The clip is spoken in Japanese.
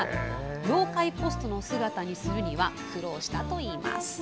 妖怪ポストの姿にするには苦労したといいます。